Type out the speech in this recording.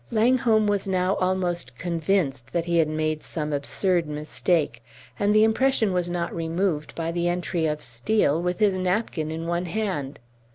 Langholm was now almost convinced that he had made some absurd mistake, and the impression was not removed by the entry of Steel with his napkin in one hand.